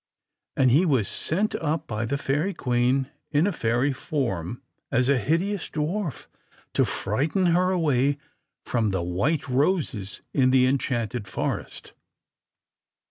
And he was sent up by the Fairy Queen in a fairy form, as a hideous dwarf, to frighten her away from the white roses in the enchanted forest.